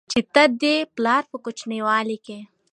چې ته دې پلار په کوچينوالي کې